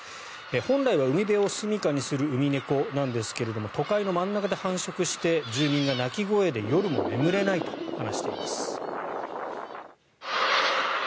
本来は海辺をすみかにするウミネコなんですが都会の真ん中で繁殖して住民が鳴き声で夜も眠れないと話しています。